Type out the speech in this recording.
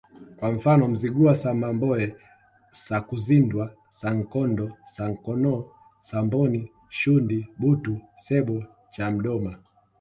kwa mfano Mzigua Samamboe Sakuzindwa Sannenkondo Sankanakono Samboni Shundi Butu Sebbo Chamdoma